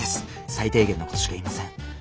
最低限のことしか言いません。